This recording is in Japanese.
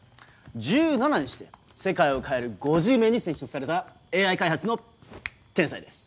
１７にして世界を変える５０名に選出されたＡＩ開発の天才です。